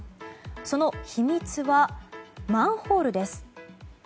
その秘密は、マンホールです。